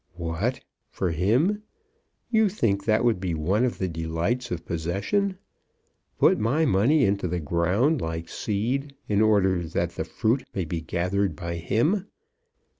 "What; for him! You think that would be one of the delights of possession? Put my money into the ground like seed, in order that the fruit may be gathered by him!